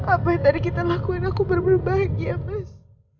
apa yang tadi kita lakuin aku berburu bahagia mas